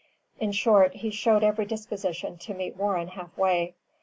In short, he showed every disposition to meet Warren half way.